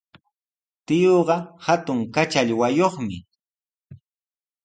Tiyuuqa hatun kachallwayuqmi.